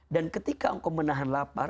dan ketika engkau menahan lapar